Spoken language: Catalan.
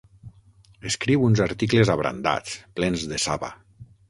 Escriu uns articles abrandats, plens de saba.